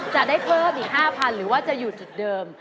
จะได้เพิ่มอีก๕๐๐๐หรือว่าจะอยู่จุดเดิม